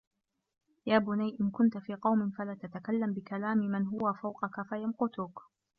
يَا بُنَيَّ إنْ كُنْت فِي قَوْمٍ فَلَا تَتَكَلَّمْ بِكَلَامِ مَنْ هُوَ فَوْقَك فَيَمْقُتُوك